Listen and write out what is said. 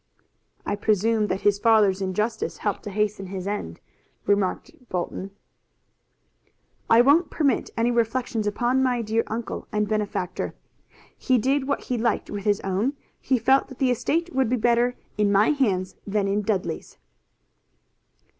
"I presume that his father's injustice helped to hasten his end." "I won't permit any reflections upon my dear uncle and benefactor. He did what he liked with his own. He felt that the estate would be better in my hands than in Dudley's."